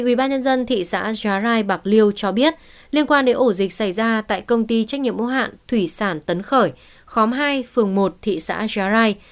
ngày hai tháng một mươi ông đỗ minh thắng chủ tịch ubnd thị xã jarai bạc liêu cho biết liên quan đến ổ dịch xảy ra tại công ty trách nhiệm mô hạn thủy sản tấn khởi khóm hai phường một thị xã jarai